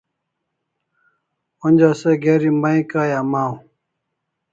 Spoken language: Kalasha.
Onja se geri mai kai amaw